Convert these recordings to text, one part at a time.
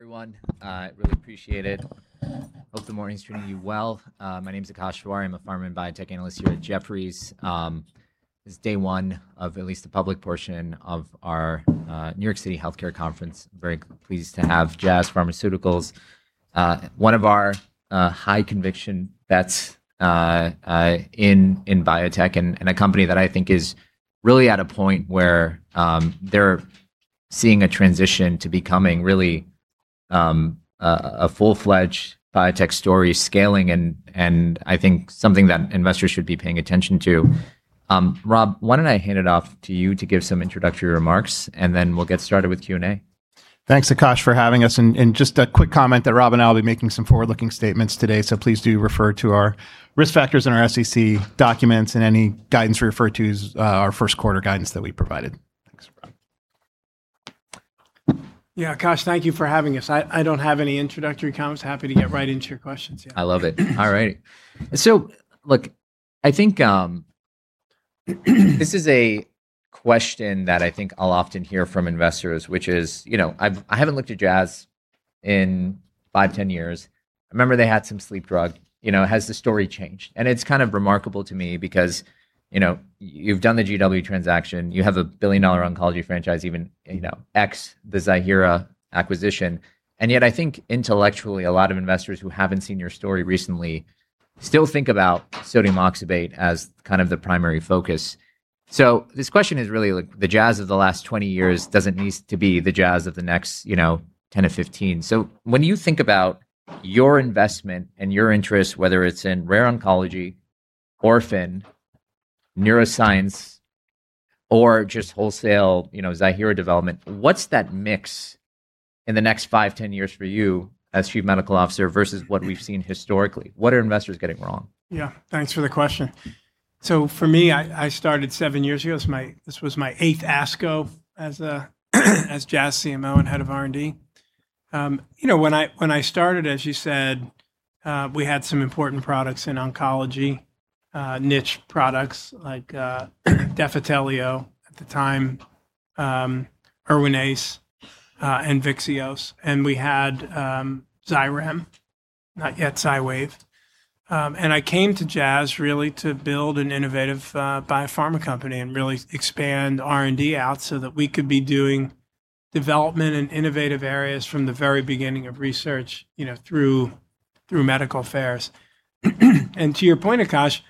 Everyone, I really appreciate it. Hope the morning's treating you well. My name's Akash Tewari. I'm a Pharma and Biotech Analyst here at Jefferies. This is day one of at least the public portion of our New York City Healthcare Conference. Very pleased to have Jazz Pharmaceuticals, one of our high conviction bets in biotech, and a company that I think is really at a point where they're seeing a transition to becoming really a full-fledged biotech story scaling and I think something that investors should be paying attention to. Rob, why don't I hand it off to you to give some introductory remarks, and then we'll get started with Q&A. Thanks, Akash, for having us. Just a quick comment that Rob and I will be making some forward-looking statements today, so please do refer to our risk factors in our SEC documents and any guidance we refer to as our first quarter guidance that we provided. Thanks, Rob. Yeah, Akash, thank you for having us. I don't have any introductory comments. Happy to get right into your questions. I love it. All right. Look, I think this is a question that I think I'll often hear from investors, which is, "I haven't looked at Jazz in five, 10 years. I remember they had some sleep drug. Has the story changed?" It's kind of remarkable to me because you've done the GW transaction, you have a billion-dollar oncology franchise, even ex the Zymeworks acquisition, and yet I think intellectually, a lot of investors who haven't seen your story recently still think about sodium oxybate as the primary focus. This question is really the Jazz of the last 20 years doesn't need to be the Jazz of the next 10-15 years. When you think about your investment and your interest, whether it's in rare oncology, orphan, neuroscience, or just wholesale Zymeworks development, what's that mix in the next 5-10 years for you as Chief Medical Officer versus what we've seen historically? What are investors getting wrong? Thanks for the question. For me, I started seven years ago. This was my eighth ASCO as Jazz CMO and Head of R&D. When I started, as you said, we had some important products in oncology, niche products like Defitelio at the time, ERWINAZE, and VYXEOS. We had XYREM, not yet XYWAV. I came to Jazz really to build an innovative biopharma company and really expand R&D out so that we could be doing development in innovative areas from the very beginning of research through medical affairs. To your point, Akash,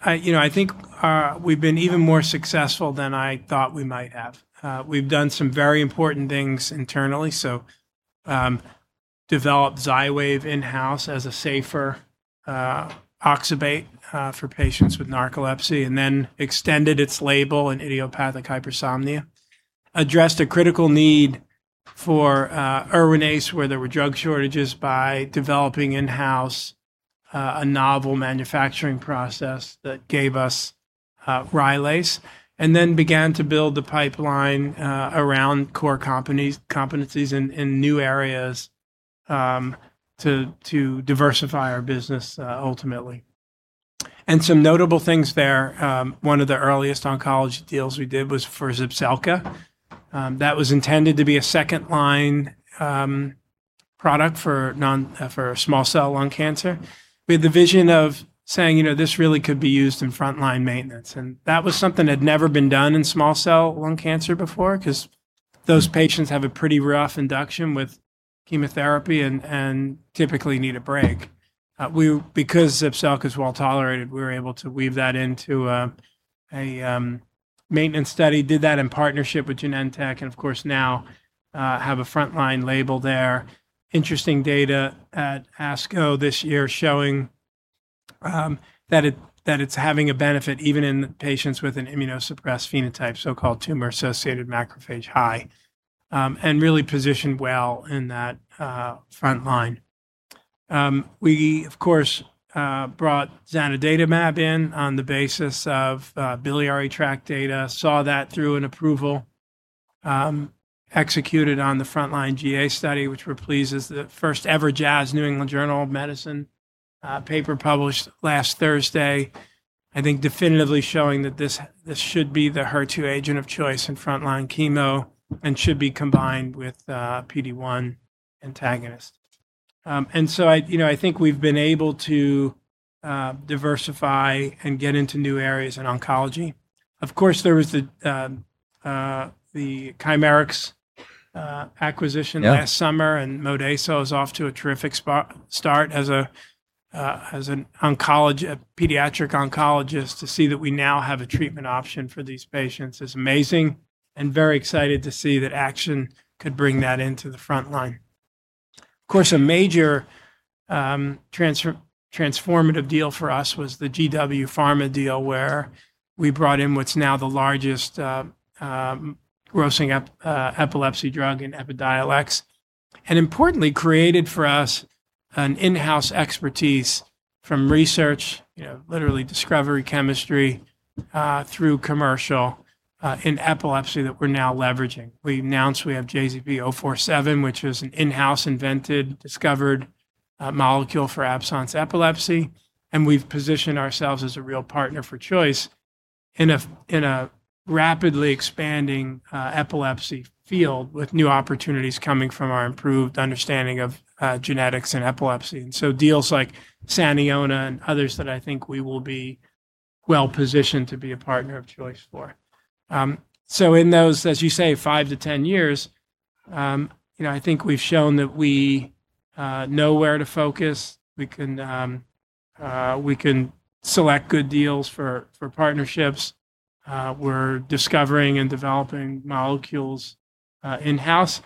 I think we've been even more successful than I thought we might have. We've done some very important things internally, developed XYWAV in-house as a safer oxybate for patients with narcolepsy, extended its label in idiopathic hypersomnia, addressed a critical need for ERWINAZE, where there were drug shortages, by developing in-house a novel manufacturing process that gave us Rylaze, began to build the pipeline around core competencies in new areas to diversify our business ultimately. Some notable things there, one of the earliest oncology deals we did was for ZEPZELCA. That was intended to be a second-line product for small cell lung cancer. We had the vision of saying, "This really could be used in frontline maintenance." That was something that had never been done in small cell lung cancer before because those patients have a pretty rough induction with chemotherapy and typically need a break. Because ZEPZELCA's well-tolerated, we were able to weave that into a maintenance study, did that in partnership with Genentech, and of course, now have a frontline label there. Interesting data at ASCO this year showing that it's having a benefit even in patients with an immunosuppressed phenotype, so-called tumor-associated macrophage high, and really positioned well in that frontline. We, of course, brought zanidatamab in on the basis of biliary tract data, saw that through an approval, executed on the frontline GEA study, which we're pleased is the first ever Jazz The New England Journal of Medicine paper published last Thursday, I think definitively showing that this should be the HER2 agent of choice in frontline chemo and should be combined with a PD-1 antagonist. I think we've been able to diversify and get into new areas in oncology. Of course, there was the Chimerix acquisition last summer, MODEYSO is off to a terrific start as a pediatric oncologist to see that we now have a treatment option for these patients is amazing, and very excited to see that action could bring that into the frontline. Of course, a major transformative deal for us was the GW Pharmaceuticals deal, where we brought in what's now the largest grossing epilepsy drug in EPIDIOLEX, and importantly, created for us an in-house expertise from research, literally discovery chemistry, through commercial in epilepsy that we're now leveraging. We announced we have JZP047, which is an in-house invented, discovered molecule for absence epilepsy, and we've positioned ourselves as a real partner for choice in a rapidly expanding epilepsy field with new opportunities coming from our improved understanding of genetics and epilepsy. Deals like Saniona and others that I think we will be well positioned to be a partner of choice for. In those, as you say, 5-10 years, I think we've shown that we know where to focus. We can select good deals for partnerships. We're discovering and developing molecules in-house.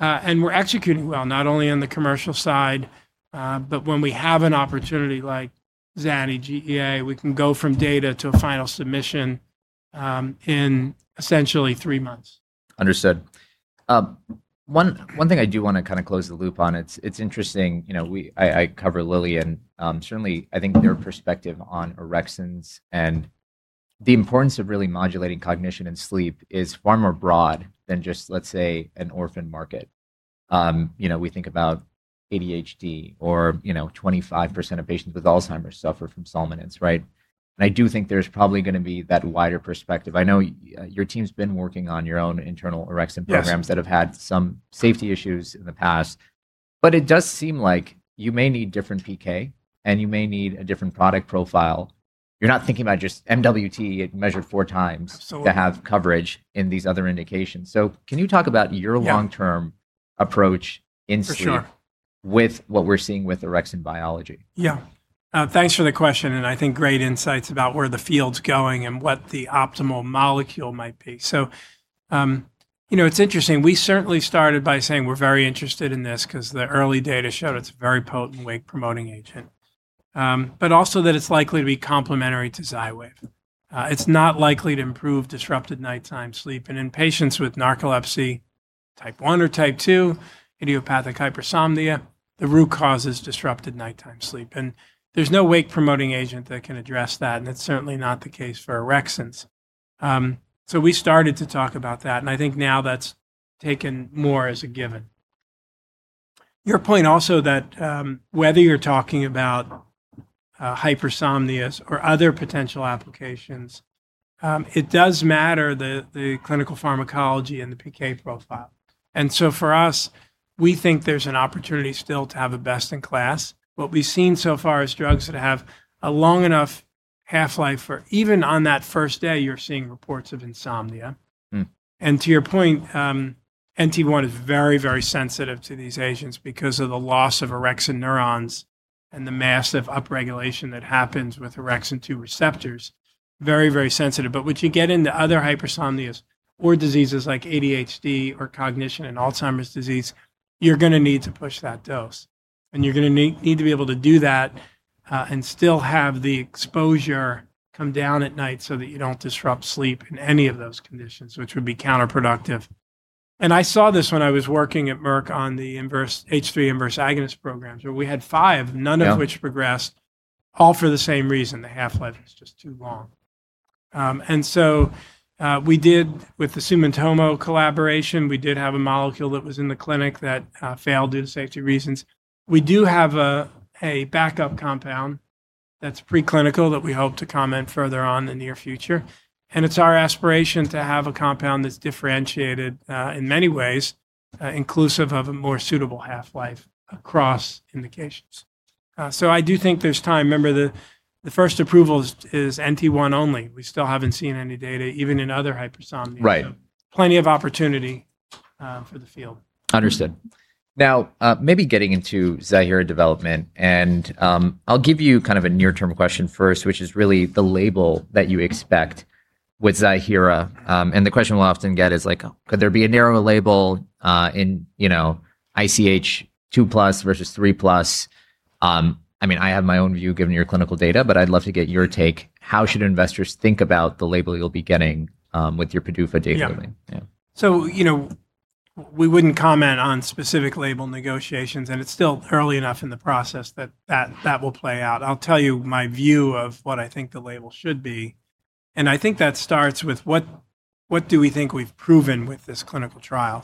We're executing well, not only on the commercial side, but when we have an opportunity like HERIZON-GEA-01, we can go from data to a final submission in essentially three months. Understood. One thing I do want to close the loop on, it's interesting, I cover Lilly, and certainly, I think their perspective on orexins and the importance of really modulating cognition and sleep is far more broad than just, let's say, an orphan market. We think about ADHD or 25% of patients with Alzheimer's suffer from somnolence, right? I do think there's probably going to be that wider perspective. I know your team's been working on your own internal orexin programs that have had some safety issues in the past. It does seem like you may need different PK and you may need a different product profile. You're not thinking about just MWT measured four times to have coverage in these other indications. Can you talk about your long-term approach with what we're seeing with orexin biology? Yeah. Thanks for the question, I think great insights about where the field's going and what the optimal molecule might be. It's interesting. We certainly started by saying we're very interested in this because the early data showed it's a very potent wake-promoting agent. Also that it's likely to be complementary to XYWAV. It's not likely to improve disrupted nighttime sleep. In patients with narcolepsy, type 1 or type 2, idiopathic hypersomnia, the root cause is disrupted nighttime sleep. There's no wake-promoting agent that can address that, and it's certainly not the case for orexins. We started to talk about that, and I think now that's taken more as a given. Your point also that whether you're talking about hypersomnias or other potential applications, it does matter the clinical pharmacology and the PK profile. For us, we think there's an opportunity still to have a best-in-class. What we've seen so far is drugs that have a long enough half-life for even on that first day, you're seeing reports of insomnia. To your point, NT1 is very, very sensitive to these agents because of the loss of orexin neurons and the massive upregulation that happens with orexin two receptors, very, very sensitive. Once you get into other hypersomnias or diseases like ADHD or cognition and Alzheimer's disease, you're going to need to push that dose. You're going to need to be able to do that and still have the exposure come down at night so that you don't disrupt sleep in any of those conditions, which would be counterproductive. I saw this when I was working at Merck on the H3 inverse agonist programs. We had five, none of which progressed, all for the same reason. The half-life was just too long. We did, with the Sumitomo collaboration, we did have a molecule that was in the clinic that failed due to safety reasons. We do have a backup compound that's preclinical that we hope to comment further on in the near future, and it's our aspiration to have a compound that's differentiated, in many ways, inclusive of a more suitable half-life across indications. I do think there's time. Remember, the first approval is NT1 only. We still haven't seen any data, even in other hypersomnias. Plenty of opportunity for the field. Understood. Now, maybe getting into Ziihera development, I'll give you a near-term question first, which is really the label that you expect with Ziihera. The question we'll often get is, could there be a narrower label in IHC 2+ versus 3+? I have my own view given your clinical data, but I'd love to get your take. How should investors think about the label you'll be getting with your PDUFA date coming? We wouldn't comment on specific label negotiations, and it's still early enough in the process that that will play out. I'll tell you my view of what I think the label should be, and I think that starts with what do we think we've proven with this clinical trial?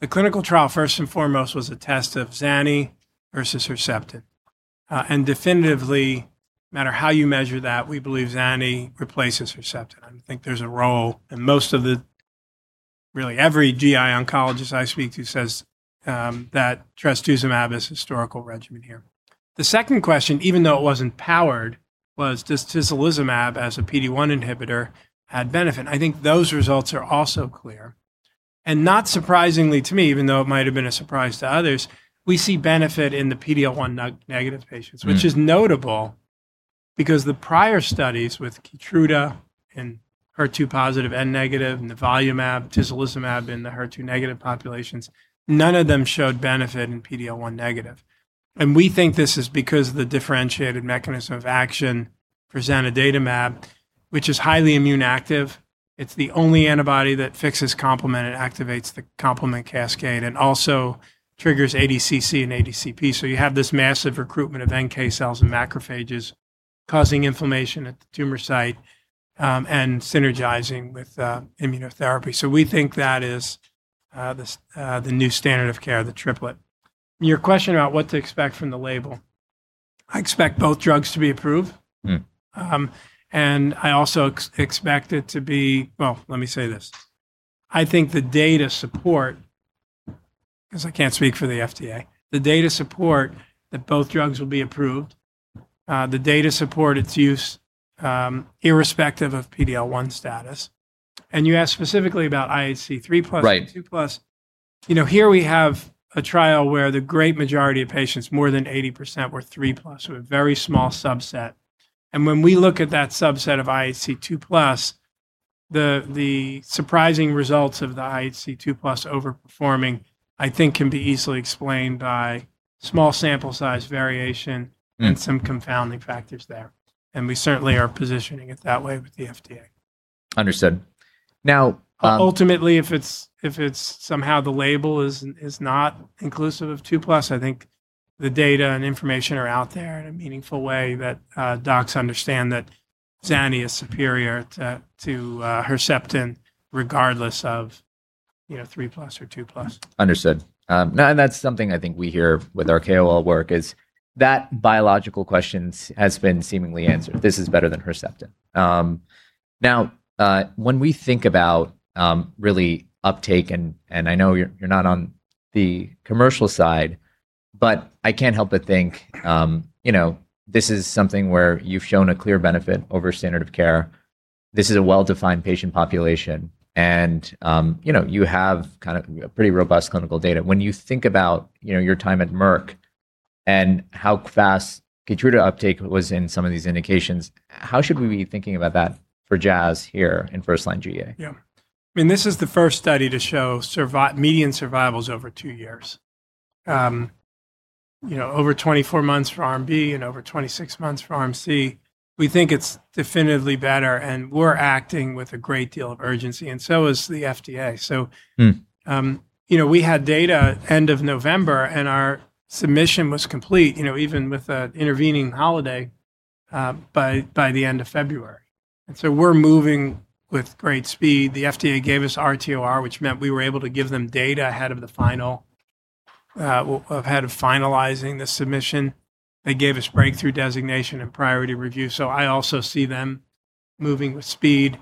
The clinical trial, first and foremost, was a test of Zani versus HERCEPTIN. Definitively, no matter how you measure that, we believe Zani replaces HERCEPTIN. I think there's a role, and most of every GI oncologist I speak to says that trastuzumab is historical regimen here. The second question, even though it wasn't powered, was does tislelizumab as a PD-1 inhibitor had benefit? I think those results are also clear. Not surprisingly to me, even though it might've been a surprise to others, we see benefit in the PD-L1 negative patients. Which is notable because the prior studies with KEYTRUDA and HER2-positive and HER2-negative and nivolumab, tislelizumab in the HER2-negative populations, none of them showed benefit in PD-L1-negative. We think this is because of the differentiated mechanism of action for zanidatamab, which is highly immune active. It's the only antibody that fixes complement and activates the complement cascade, and also triggers ADCC and ADCP. You have this massive recruitment of NK cells and macrophages causing inflammation at the tumor site and synergizing with immunotherapy. We think that is the new standard of care, the triplet. Your question about what to expect from the label. I expect both drugs to be approved. I also expect it to be Well, let me say this. I think the data support, because I can't speak for the FDA, the data support that both drugs will be approved. The data support its use irrespective of PD-L1 status. You asked specifically about IHC 3+ and IHC 2+. Here we have a trial where the great majority of patients, more than 80%, were IHC 3+, so a very small subset. When we look at that subset of IHC 2+, the surprising results of the IHC 2+ over-performing, I think, can be easily explained by small sample size variation, some confounding factors there. We certainly are positioning it that way with the FDA. Ultimately, if it's somehow the label is not inclusive of IHC 2+, I think the data and information are out there in a meaningful way that docs understand that Zani is superior to HERCEPTIN, regardless of IHC 3+ or IHC 2+. Understood. No, that's something I think we hear with our KOL work is that biological question has been seemingly answered. This is better than HERCEPTIN. When we think about really uptake, and I know you're not on the commercial side, but I can't help but think this is something where you've shown a clear benefit over standard of care. This is a well-defined patient population. You have a pretty robust clinical data. When you think about your time at Merck and how fast KEYTRUDA uptake was in some of these indications, how should we be thinking about that for Jazz here in first-line GEA? Yeah. This is the first study to show median survival is over two years. Over 24 months for arm B and over 26 months for arm C. We think it's definitively better, and we're acting with a great deal of urgency, and so is the FDA. We had data end of November, and our submission was complete, even with an intervening holiday, by the end of February. We're moving with great speed. The FDA gave us RTOR, which meant we were able to give them data ahead of finalizing the submission. They gave us breakthrough designation and priority review. I also see them moving with speed.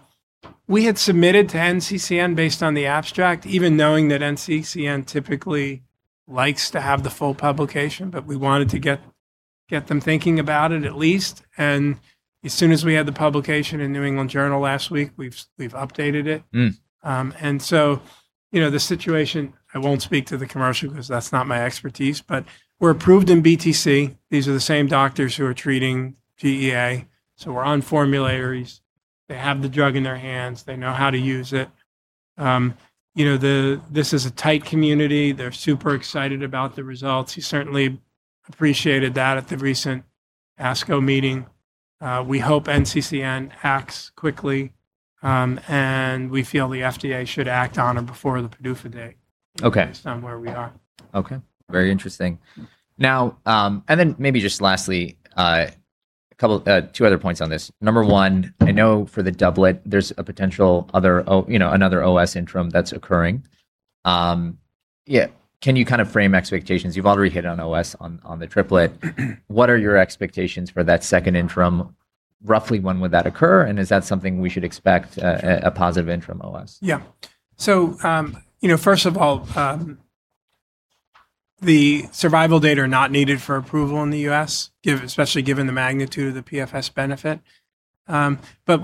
We had submitted to NCCN based on the abstract, even knowing that NCCN typically likes to have the full publication, but we wanted to get them thinking about it at least. As soon as we had the publication in New England Journal last week, we've updated it. The situation, I won't speak to the commercial because that's not my expertise, but we're approved in BTC. These are the same doctors who are treating GEA. We're on formularies. They have the drug in their hands. They know how to use it. This is a tight community. They're super excited about the results. You certainly appreciated that at the recent ASCO meeting. We hope NCCN acts quickly. We feel the FDA should act on it before the PDUFA date based on where we are. Okay. Very interesting. Now, then maybe just lastly, two other points on this. Number one, I know for the doublet, there's a potential another OS interim that's occurring. Can you frame expectations? You've already hit on OS on the triplet. What are your expectations for that second interim? Roughly when would that occur? Is that something we should expect a positive interim OS? Yeah. First of all, the survival data are not needed for approval in the U.S., especially given the magnitude of the PFS benefit.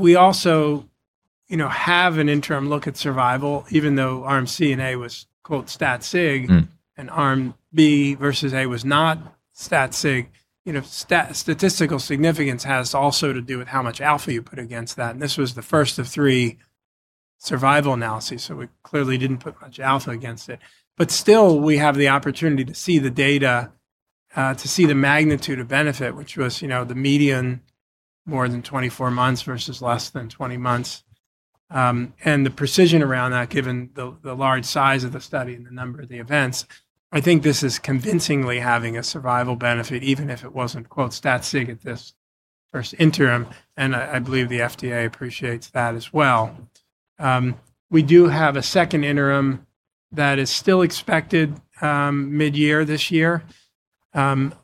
We also have an interim look at survival, even though arm C and A was quote, "stat sig". Arm B versus A was not stat sig. Statistical significance has also to do with how much alpha you put against that. This was the first of three survival analyses, so we clearly didn't put much alpha against it. Still, we have the opportunity to see the data, to see the magnitude of benefit, which was the median more than 24 months versus less than 20 months. The precision around that, given the large size of the study and the number of the events, I think this is convincingly having a survival benefit, even if it wasn't quote, "stat sig" at this first interim. I believe the FDA appreciates that as well. We do have a second interim that is still expected mid-year this year.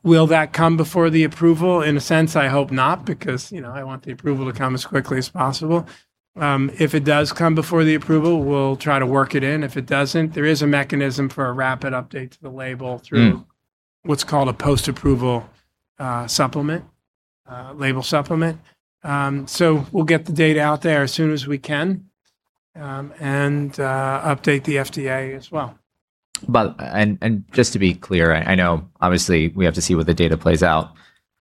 Will that come before the approval? In a sense, I hope not, because I want the approval to come as quickly as possible. If it does come before the approval, we'll try to work it in. If it doesn't, there is a mechanism for a rapid update to the label through what's called a post-approval label supplement. We'll get the data out there as soon as we can, and update the FDA as well. Just to be clear, I know obviously we have to see where the data plays out.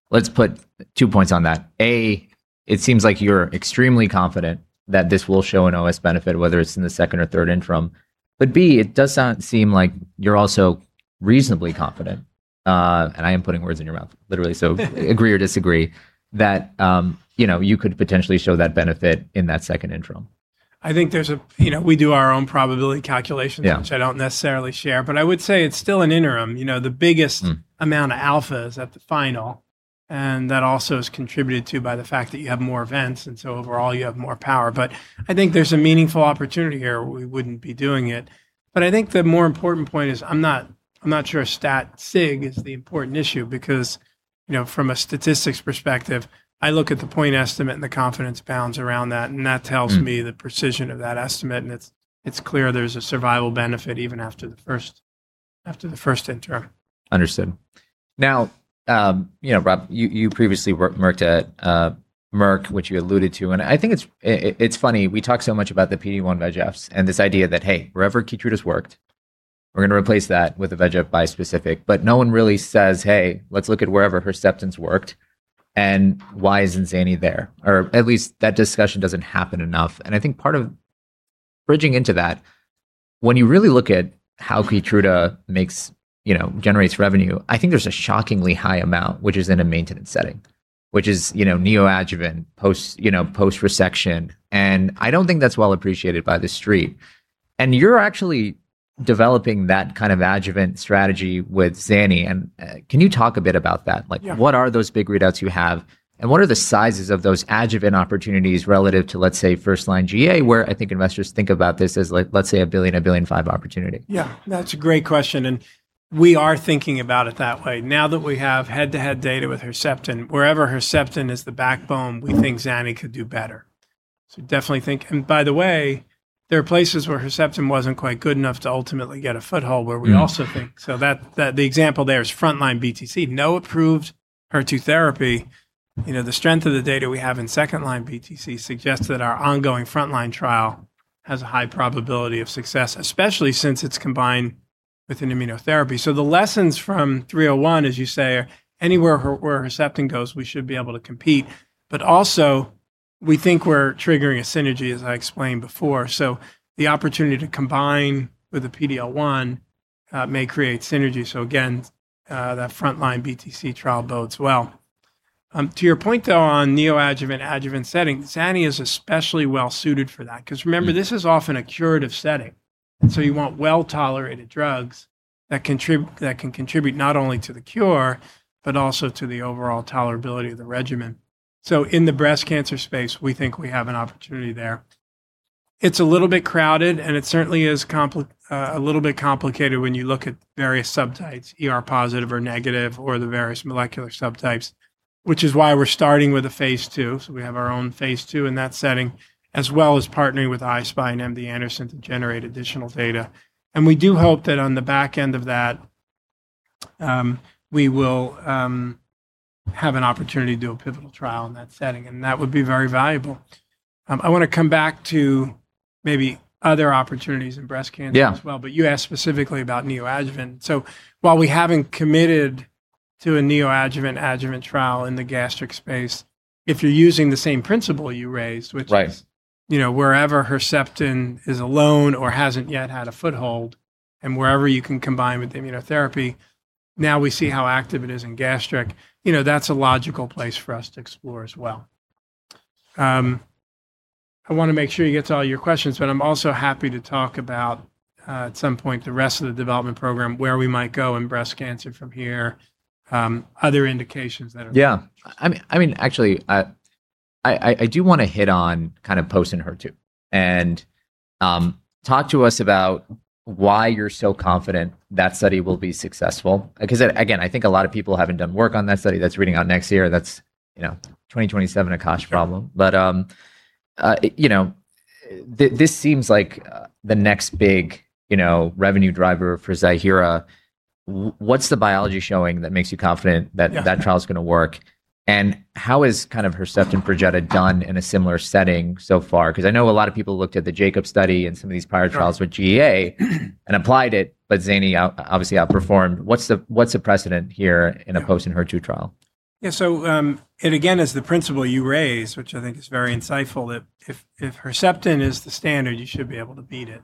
Let's put two points on that. A, it seems like you're extremely confident that this will show an OS benefit, whether it's in the second or third interim. B, it does seem like you're also reasonably confident, and I am putting words in your mouth, literally. Agree or disagree that you could potentially show that benefit in that second interim. We do our own probability calculations which I don't necessarily share, but I would say it's still an interim the biggest amount of alpha is at the final, and that also is contributed to by the fact that you have more events, and so overall, you have more power. I think there's a meaningful opportunity here or we wouldn't be doing it. I think the more important point is, I'm not sure stat sig is the important issue because. From a statistics perspective, I look at the point estimate and the confidence bounds around that, and that tells me the precision of that estimate, and it's clear there's a survival benefit even after the first interim. Understood. Rob, you previously worked at Merck, which you alluded to, I think it's funny. We talk so much about the PD-1/VEGFs and this idea that, hey, wherever KEYTRUDA's worked, we're going to replace that with a VEGF bispecific. No one really says, "Hey, let's look at wherever HERCEPTIN's worked, why isn't Zani there?" At least that discussion doesn't happen enough. I think part of bridging into that, when you really look at how KEYTRUDA generates revenue, I think there's a shockingly high amount which is in a maintenance setting. Which is neoadjuvant, post resection, and I don't think that's well appreciated by the street. You're actually developing that kind of adjuvant strategy with Zani. Can you talk a bit about that? What are those big readouts you have, and what are the sizes of those adjuvant opportunities relative to, let's say, first-line GEA, where I think investors think about this as, let's say, a $1 billion, $1.5 billion opportunity? Yeah. That's a great question, and we are thinking about it that way. Now that we have head-to-head data with HERCEPTIN, wherever HERCEPTIN is the backbone, we think Zani could do better. By the way, there are places where HERCEPTIN wasn't quite good enough to ultimately get a foothold where we also think. The example there is frontline BTC. No approved HER2 therapy. The strength of the data we have in second line BTC suggests that our ongoing frontline trial has a high probability of success, especially since it's combined with an immunotherapy. The lessons from 301, as you say, are anywhere where HERCEPTIN goes, we should be able to compete. Also, we think we're triggering a synergy, as I explained before. Again, that frontline BTC trial bodes well. To your point, though, on neoadjuvant, adjuvant settings, Zani is especially well suited for that, because remember, this is often a curative setting. You want well-tolerated drugs that can contribute not only to the cure, but also to the overall tolerability of the regimen. In the breast cancer space, we think we have an opportunity there. It's a little bit crowded, and it certainly is a little bit complicated when you look at various subtypes, ER-positive or negative, or the various molecular subtypes, which is why we're starting with a phase II. We have our own phase II in that setting, as well as partnering with I-SPY and MD Anderson to generate additional data. We do hope that on the back end of that, we will have an opportunity to do a pivotal trial in that setting, and that would be very valuable. I want to come back to maybe other opportunities in breast cancer as well. You asked specifically about neoadjuvant. While we haven't committed to a neoadjuvant, adjuvant trial in the gastric space, if you're using the same principle you raised, which is wherever HERCEPTIN is alone or hasn't yet had a foothold, and wherever you can combine with immunotherapy, now we see how active it is in gastric. That's a logical place for us to explore as well. I want to make sure you get to all your questions, but I'm also happy to talk about, at some point, the rest of the development program, where we might go in breast cancer from here, other indications. Yeah. Actually, I do want to hit on post ENHERTU. Talk to us about why you're so confident that study will be successful. Again, I think a lot of people haven't done work on that study. That's reading out next year. That's 2027 Akash problem. This seems like the next big revenue driver for Ziihera. What's the biology showing that makes you confident that trial's going to work? How has HERCEPTIN PERJETA done in a similar setting so far? I know a lot of people looked at the JACOB study and some of these prior trials with GEA and applied it, but zanidatamab obviously outperformed. What's the precedent here in a post ENHERTU trial? Again, as the principle you raised, which I think is very insightful, that if HERCEPTIN is the standard, you should be able to beat it.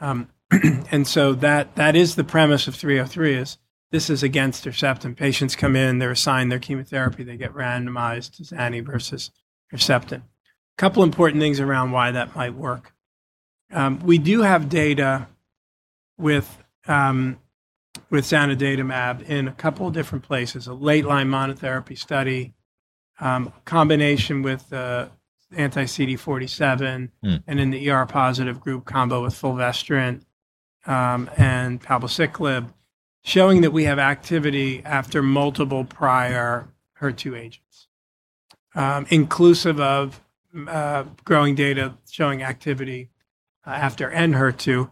That is the premise of JZP598-303, is this is against HERCEPTIN. Patients come in, they're assigned their chemotherapy, they get randomized as Zani versus HERCEPTIN. Couple important things around why that might work. We do have data with zanidatamab in a couple different places, a late-line monotherapy study, combination with anti-CD47. In the ER-positive group combo with fulvestrant and palbociclib, showing that we have activity after multiple prior HER2 agents, inclusive of growing data showing activity after ENHERTU.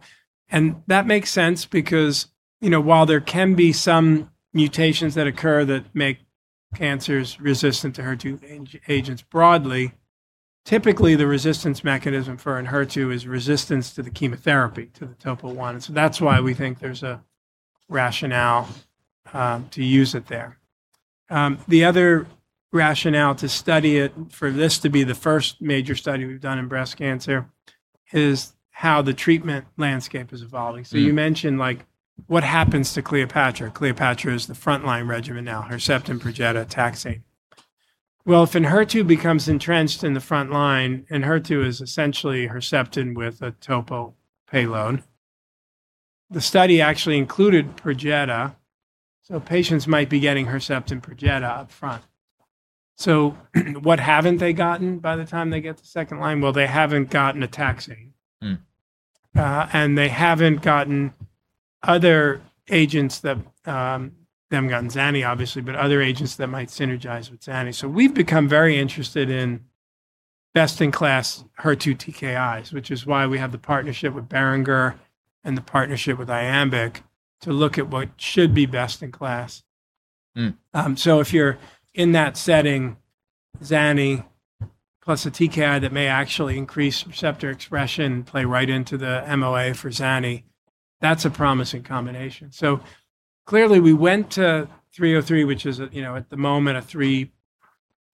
That makes sense because while there can be some mutations that occur that make cancers resistant to HER2 agents broadly, typically the resistance mechanism for ENHERTU is resistance to the chemotherapy, to the TOP1. That's why we think there's a rationale to use it there. The other rationale to study it, for this to be the first major study we've done in breast cancer, is how the treatment landscape is evolving. You mentioned what happens to CLEOPATRA. CLEOPATRA is the frontline regimen now, HERCEPTIN, PERJETA, taxane. If ENHERTU becomes entrenched in the frontline, ENHERTU is essentially HERCEPTIN with a topo payload. The study actually included PERJETA, so patients might be getting HERCEPTIN PERJETA up front. So what haven't they gotten by the time they get to second line? They haven't gotten a taxane. They haven't gotten other agents. They haven't gotten Zani, obviously, but other agents that might synergize with Zani. We've become very interested in best in class HER2 TKIs, which is why we have the partnership with Boehringer and the partnership with Iambic to look at what should be best in class. If you're in that setting, Zani plus a TKI that may actually increase receptor expression play right into the MOA for Zani. That's a promising combination. Clearly we went to JZP598-303, which is, at the moment, a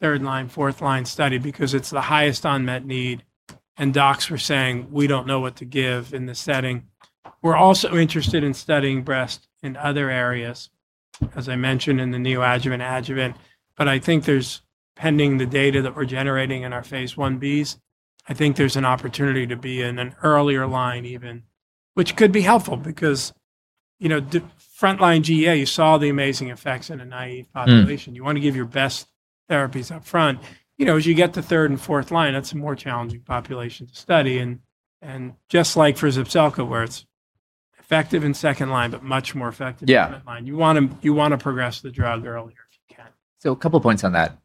third line, fourth line study because it's the highest unmet need, and docs were saying, "We don't know what to give in this setting." We're also interested in studying breast in other areas, as I mentioned in the neoadjuvant, adjuvant. I think there's, pending the data that we're generating in our phase I-B, I think there's an opportunity to be in an earlier line even, which could be helpful because frontline GEA, you saw the amazing effects in a naive population. You want to give your best therapies up front. As you get to third and fourth line, that's a more challenging population to study and just like for ZEPZELCA, where it's effective in second line, but much more effective in front line. You want to progress the drug earlier if you can. A couple points on that.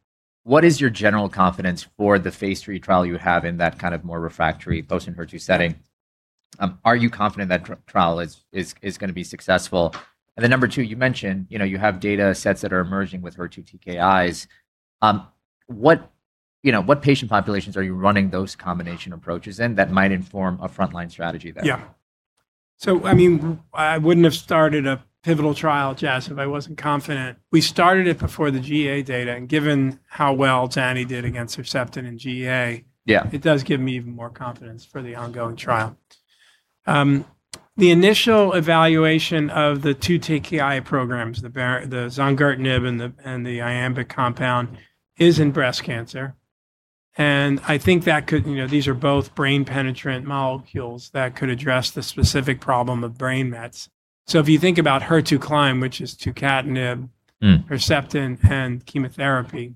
What is your general confidence for the phase III trial you have in that more refractory post-ENHERTU setting? Are you confident that trial is going to be successful? Number two, you mentioned you have data sets that are emerging with HER2 TKIs. What patient populations are you running those combination approaches in that might inform a frontline strategy there? Yeah. I wouldn't have started a pivotal trial, Jazz, if I wasn't confident. We started it before the GEA data, and given how well Zani did against HERCEPTIN in GEA. It does give me even more confidence for the ongoing trial. The initial evaluation of the two TKI programs, the zongertinib and the Iambic compound, is in breast cancer. I think that these are both brain penetrant molecules that could address the specific problem of brain mets. If you think about HER2CLIMB. HERCEPTIN and chemotherapy,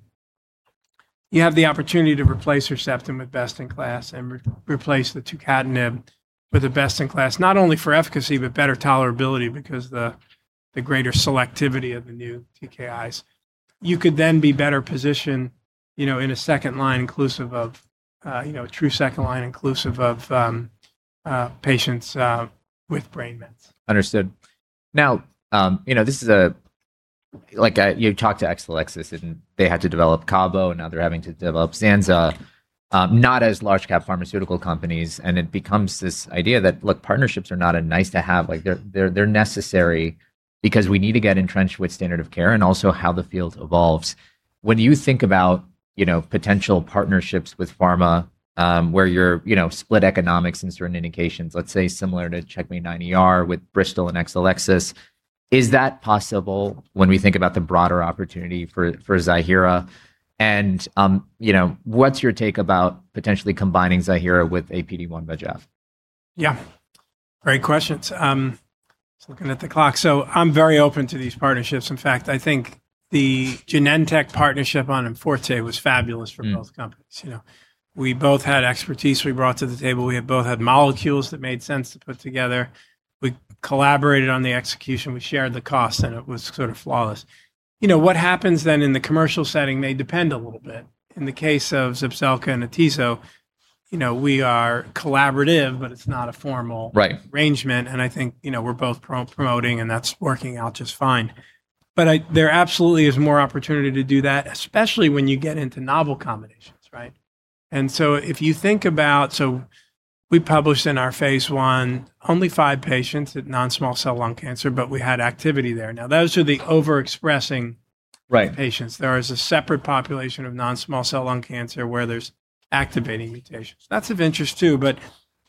you have the opportunity to replace HERCEPTIN with best in class and replace the tucatinib with the best in class, not only for efficacy, but better tolerability because the greater selectivity of the new TKIs. You could be better positioned in a true second line inclusive of patients with brain mets. Understood. You talked to Exelixis, and they had to develop CABO, and now they're having to develop Ziihera, not as large cap pharmaceutical companies. It becomes this idea that, look, partnerships are not a nice to have. They're necessary because we need to get entrenched with standard of care and also how the field evolves. When you think about potential partnerships with pharma, where you're split economics in certain indications, let's say similar to CheckMate-9ER with Bristol and Exelixis, is that possible when we think about the broader opportunity for Ziihera? What's your take about potentially combining Ziihera with a PD-1/VEGF? Yeah. Great questions. Just looking at the clock. I'm very open to these partnerships. In fact, I think the Genentech partnership on IMforte was fabulous for both companies. We both had expertise we brought to the table. We both had molecules that made sense to put together. We collaborated on the execution. We shared the cost, and it was sort of flawless. What happens in the commercial setting may depend a little bit. In the case of ZEPZELCA and atezolizumab, we are collaborative, but it's not a formal arrangement. I think, we're both promoting, and that's working out just fine. There absolutely is more opportunity to do that, especially when you get into novel combinations, right? If you think about we published in our phase I, only five patients with non-small cell lung cancer, but we had activity there. Now, those are the overexpressing patients. There is a separate population of non-small cell lung cancer where there's activating mutations. That's of interest too, but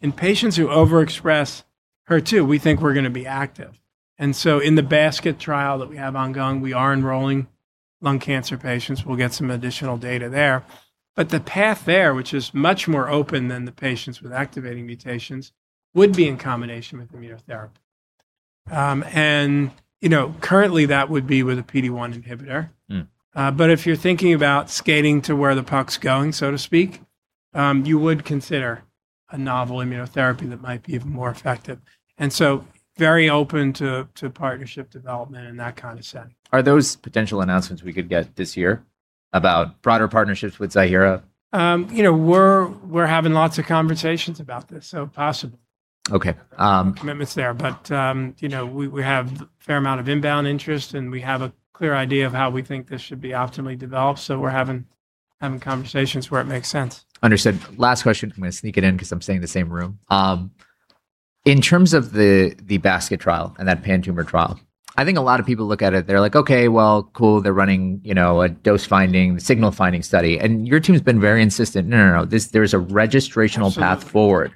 in patients who overexpress HER2, we think we're going to be active. In the basket trial that we have ongoing, we are enrolling lung cancer patients. We'll get some additional data there. The path there, which is much more open than the patients with activating mutations, would be in combination with immunotherapy. Currently that would be with a PD-1 inhibitor. If you're thinking about skating to where the puck's going, so to speak, you would consider a novel immunotherapy that might be even more effective. Very open to partnership development in that kind of setting. Are those potential announcements we could get this year about broader partnerships with Ziihera? We're having lots of conversations about this. No commitments there, but we have a fair amount of inbound interest, and we have a clear idea of how we think this should be optimally developed. We're having conversations where it makes sense. Understood. Last question, I'm going to sneak it in because I'm staying in the same room. In terms of the basket trial and that pan-tumor trial, I think a lot of people look at it, they're like, "Okay, well, cool. They're running a dose finding, signal finding study." Your team's been very insistent, "No, no. There's a registrational path forward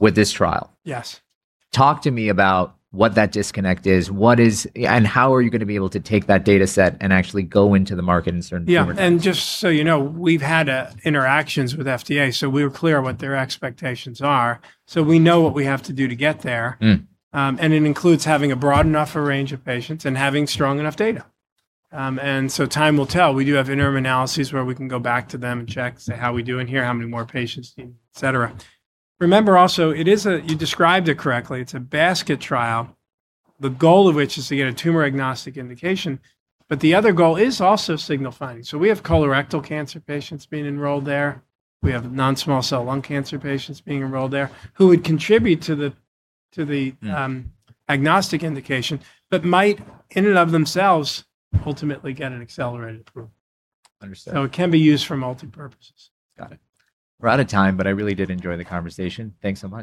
with this trial. Talk to me about what that disconnect is. How are you going to be able to take that data set and actually go into the market in certain tumor types? Yeah. Just so you know, we've had interactions with FDA, so we're clear on what their expectations are. We know what we have to do to get there. It includes having a broad enough range of patients and having strong enough data. Time will tell. We do have interim analyses where we can go back to them and check, say how we doing here, how many more patients do you need, et cetera. Remember also, you described it correctly, it's a basket trial. The goal of which is to get a tumor agnostic indication. The other goal is also signal finding. We have colorectal cancer patients being enrolled there. We have non-small cell lung cancer patients being enrolled there. Who will contribute to the agnostic indication, but might in and of themselves ultimately get an accelerated approval. It can be used for multi-purposes. Got it. We're out of time, but I really did enjoy the conversation. Thanks so much